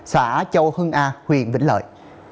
xã châu hưng a huyện vĩnh lợi